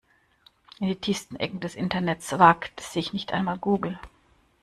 In die tiefsten Ecken des Internets wagt sich nicht einmal Google.